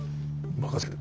任せる。